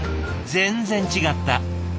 全然違った。